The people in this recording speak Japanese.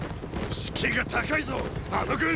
士気が高いぞあの軍！